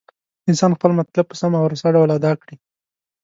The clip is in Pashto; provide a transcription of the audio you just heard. انسان خپل مطلب په سم او رسا ډول ادا کړي.